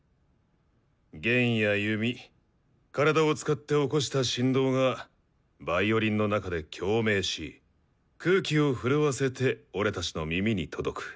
弦や弓体を使って起こした振動がヴァイオリンの中で共鳴し空気を震わせて俺たちの耳に届く。